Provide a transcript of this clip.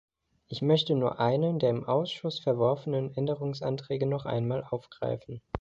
Ich möchte nur einen der im Ausschuss verworfenen Änderungsanträge noch einmal aufgreifen.